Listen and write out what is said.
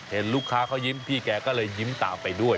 เห็นลูกค้าเขายิ้มพี่แกก็เลยยิ้มตามไปด้วย